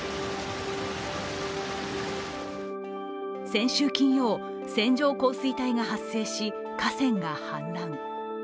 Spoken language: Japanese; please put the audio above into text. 先週金曜、線状降水帯が発生し、河川が氾濫。